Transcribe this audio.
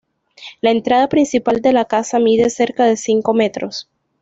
La entrada principal de la casa mide cerca de cinco metros.